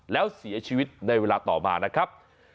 แล้วเสียชีวิตในเวลาต่อมานะครับ